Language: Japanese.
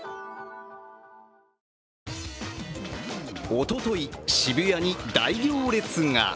おととい、渋谷に大行列が。